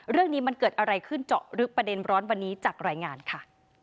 เรื่องนี้มันเกิดอะไรขึ้นเจาะลึกประเด็นร้อนวันนี้จากรายงานค่ะ